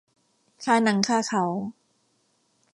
คาหนังคาเขา